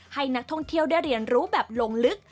ให้นักท่องเที่ยวได้เรียนรู้แบบลงลึก